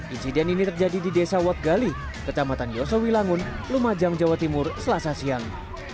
insiden ini terjadi di desa watgali kecamatan yosowi langun lumajang jawa timur selasa siang